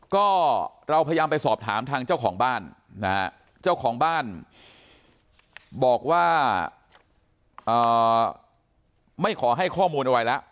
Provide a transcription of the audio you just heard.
ก็เราพยายามไปสอบถามทางเจ้าของบ้านนะฮะเจ้าของบ้านบอกว่าไม่ขอให้ข้อมูลอะไรแล้ว